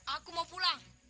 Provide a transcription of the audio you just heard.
aku mau pulang